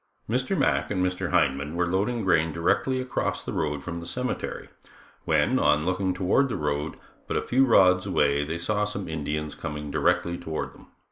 Mr. Mack and Mr. Hindman were loading grain directly across the road from the cemetery, when, on looking toward the road, but a few rods away, they saw some Indians coming directly toward them.